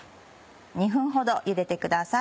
２分ほどゆでてください。